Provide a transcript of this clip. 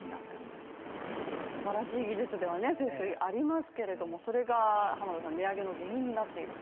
節水はすばらしい技術ではありますけれども、それが値上げの原因になっていると。